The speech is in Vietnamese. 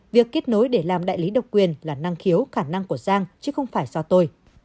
việc kết nối để làm đại lý độc quyền là năng khiếu khả năng của giang chứ không phải do tôi